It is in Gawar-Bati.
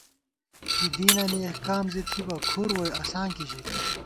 کی دینی احکام زی تھِتبہ کھُر ووئی اسانکی ژِک